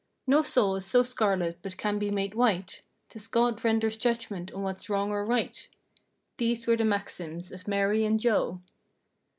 "No soul is so scarlet but can be made white." " 'Tis God renders judgment on what's wrong or right—" These were the maxims of "Mary and Joe."